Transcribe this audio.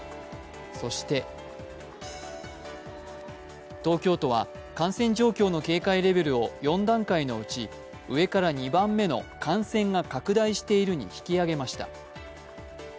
そして東京都は感染状況の警戒レベルを４段階のうち上から２番目の感染が拡大しているに引き上げました。